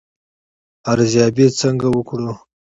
ارزیابي څنګه وکړو؟